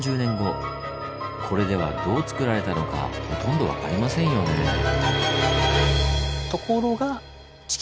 これではどうつくられたのかほとんど分かりませんよねぇ。